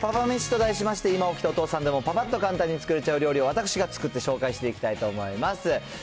めしと題しまして、今起きたお父さんでも、ぱぱっと簡単に作れちゃう料理を私が作って紹介していきたいと思います。